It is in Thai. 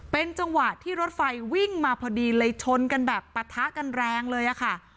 เป็นจังหวะที่รถไฟวิ่งมาพอดีเลยชนกันแบบปะทะกันแรงเลยอะค่ะ